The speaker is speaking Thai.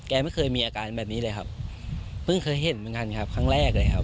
ไม่เคยมีอาการแบบนี้เลยครับเพิ่งเคยเห็นเหมือนกันครับครั้งแรกเลยครับ